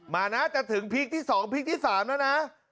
มานะจะถึงพีคที่๒พีคที่๓แล้วนะ